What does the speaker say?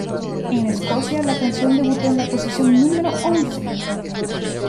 En Escocia, la canción debutó en la posición número once.